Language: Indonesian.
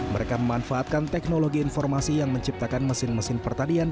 mereka memanfaatkan teknologi informasi yang menciptakan mesin mesin pertanian